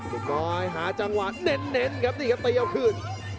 น้อยหาจังหวะเน้นครับนี่ครับตีเอาคืน